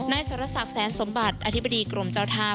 สรษักแสนสมบัติอธิบดีกรมเจ้าท่า